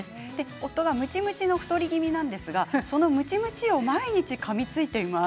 夫がムチムチの太り気味なんですがそのムチムチを毎日かみついています。